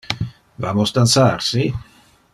Vamos dansar, si?